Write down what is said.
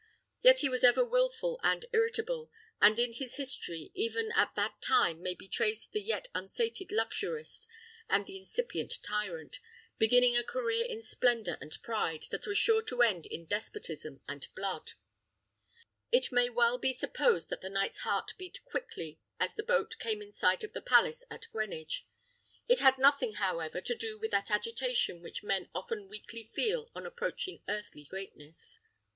Yet he was ever wilful and irritable, and in his history even at that time may be traced the yet unsated luxurist, and the incipient tyrant, beginning a career in splendour and pride that was sure to end in despotism and blood. It may well be supposed that the knight's heart beat quickly as the boat came in sight of the palace at Greenwich. It had nothing, however, to do with that agitation which men often weakly feel on approaching earthly greatness.